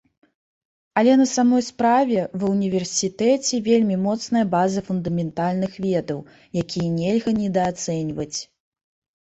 Але на самой справе, ва ўніверсітэце вельмі моцная база фундаментальных ведаў, якія нельга недаацэньваць.